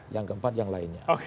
yang keempat yang lainnya